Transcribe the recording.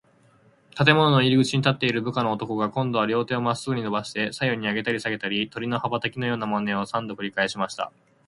建物の入口に立っている部下の男が、こんどは両手をまっすぐにのばして、左右にあげたりさげたり、鳥の羽ばたきのようなまねを、三度くりかえしました。